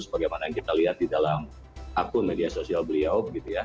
sebagaimana yang kita lihat di dalam akun media sosial beliau